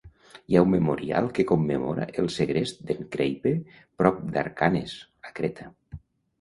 Hi ha un memorial que commemora el segrest d'en Kreipe prop d'Archanes, a Creta.